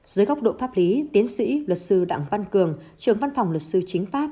dưới góc độ pháp lý tiến sĩ luật sư đặng văn cường trưởng văn phòng luật sư chính pháp